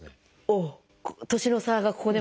おお年の差がここでも。